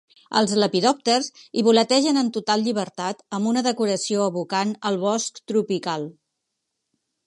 Els lepidòpters hi voletegen en total llibertat amb una decoració evocant el bosc tropical.